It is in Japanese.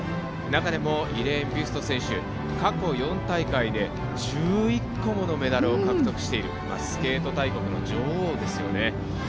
中でもイレーン・ビュスト選手過去４大会で１１個ものメダルを獲得しているスケート大国の女王ですよね。